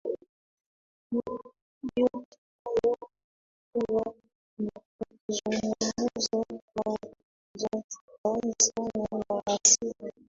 yote hayo na alikuwa akizungumza kwa jazba sana na hasira